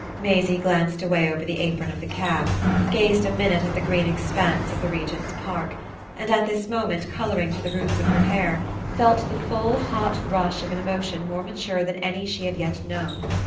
Maisie glanced away over the apron of the cab gazed a minute at the green expanse of the Regent's Park and, at this moment colouring to the roots of her hair, felt the full, hot rush of an emotion more mature than any she had yet known.